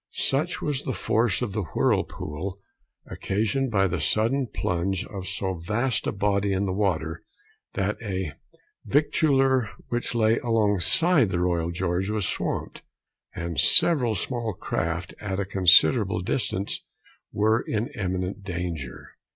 Such was the force of the whirlpool, occasioned by the sudden plunge of so vast a body in the water, that a victualler which lay alongside the Royal George was swamped; and several small craft, at a considerable distance, were in imminent danger.